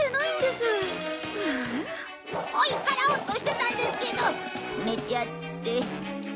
追い払おうとしてたんですけど寝ちゃって。